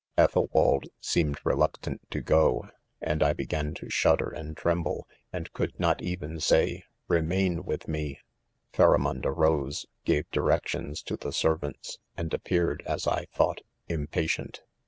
'Ethelwald seemed reluctant to go j and 1 began to shudder and tremble, andt could not ©Fen say remain with me, Phaiamond arose , gave directions to the servants, and appeared as I thought, 'impatient.